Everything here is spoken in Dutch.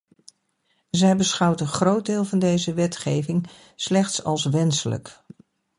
Zij beschouwt een groot deel van deze wetgeving slechts als wenselijk.